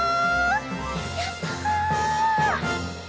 やった！